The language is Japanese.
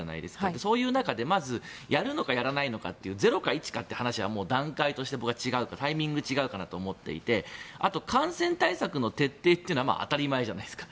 そういう中でまずやるのかやらないのかというゼロか１かという話は段階として僕は違うタイミングが違うと思っていて感染対策の徹底というのは当たり前じゃないですか。